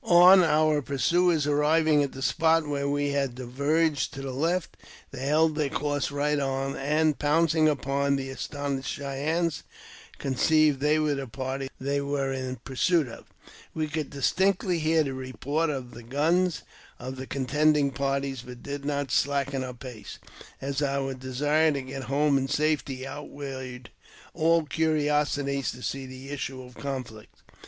On our pursuers arriving at the spot where we had diverged to the left, they held their course right on, and, pouncing upon the astonished Cheyennes, conceived they were the party they were in pursuit of. We could distinctly hear the report of the uns of the contending parties, but did not slacken our pace, our desire to get home in safety outweighed all curiosity to isee the issue of the conflict.